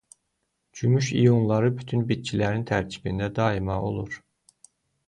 Gümüş ionları bütün bitkilərin tərkibində daima olur.